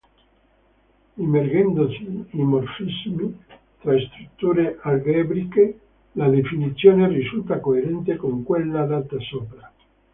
Immergendosi in morfismi tra strutture algebriche, la definizione risulta coerente con quella data sopra.